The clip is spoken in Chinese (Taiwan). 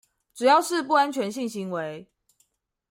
只要是不安全性行為